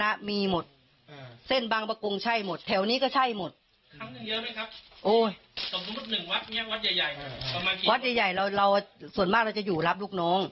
แต่คิดว่าเป็นแบบไม่ถือขนาดนี้พ่อไม่เคยแกะดู